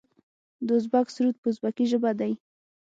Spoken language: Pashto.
د ازبک سرود په ازبکي ژبه دی.